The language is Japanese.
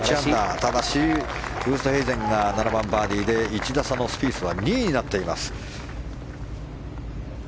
ただし、ウーストヘイゼンが７番、バーディーで１打差のスピースは２位になっています。